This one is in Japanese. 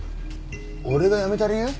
俺が辞めた理由？